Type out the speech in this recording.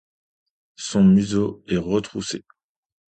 Son museau est retroussé.